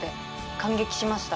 感激しました。